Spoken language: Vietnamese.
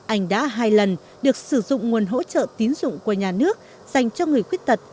anh đã hai lần được sử dụng nguồn hỗ trợ tín dụng của nhà nước dành cho người khuyết tật